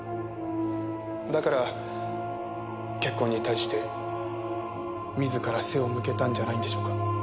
だから結婚に対して自ら背を向けたんじゃないんでしょうか。